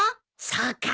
そうか。